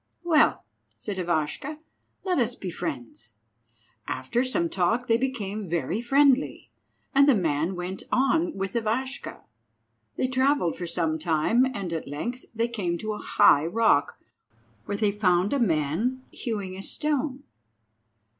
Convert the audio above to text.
"Well," said Ivashka, "let us be friends." After some talk they became very friendly, and the man went on with Ivashka. They travelled for some time, and at length they came to a high rock, where they found a man hewing stone.